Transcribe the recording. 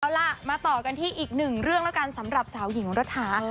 เอาล่ะมาต่อกันที่อีกหนึ่งเรื่องแล้วกันสำหรับสาวหญิงรัฐา